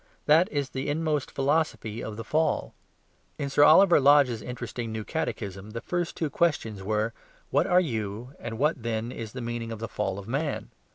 That is the inmost philosophy of the Fall. In Sir Oliver Lodge's interesting new Catechism, the first two questions were: "What are you?" and "What, then, is the meaning of the Fall of Man?"